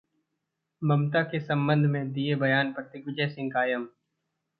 ममता के संबंध में दिये बयान पर दिग्विजय सिंह कायम